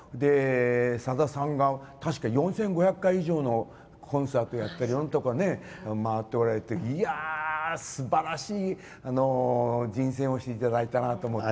さださんは確か４５００回以上のコンサートをやっておられて日本全国を回っておられてすばらしい人選をしていただいたなと思って。